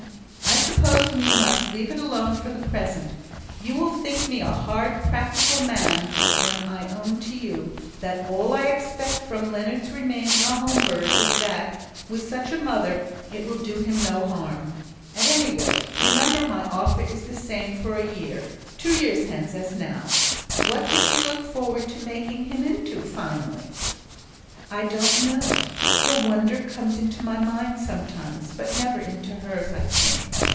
I suppose we must leave it alone for the present. You will think me a hard practical man when I own to you, that all I expect from Leonard's remaining a home bird is that, with such a mother, it will do him no harm. At any rate, remember my offer is the same for a year two years hence, as now. What does she look forward to making him into, finally?" "I don't know. The wonder comes into my mind sometimes; but never into hers, I think.